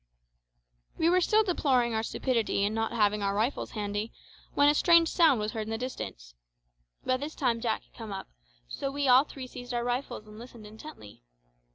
We were still deploring our stupidity in not having our rifles handy, when a strange sound was heard in the distance. By this time Jack had come up, so we all three seized our rifles and listened intently.